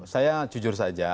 saya jujur saja